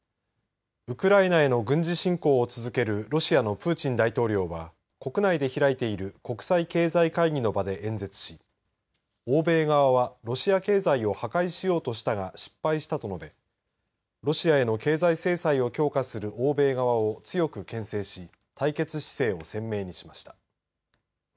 ウクライナへの軍事侵攻を続けるロシアのプーチン大統領は国内で開いている国際経済会議の場で演説し欧米側はロシア経済を破壊しようとしたが失敗したと述べロシアへの経済制裁を強化する欧米側を強くけん制し対決姿勢を鮮明にしました。